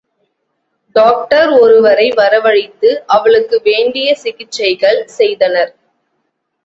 Doctor ஒருவரை வரவழைத்து அவளுக்கு வேண்டிய சிகிச்சைகள் செய்தனர்.